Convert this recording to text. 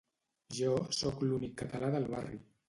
Jo sóc l'únic català del barri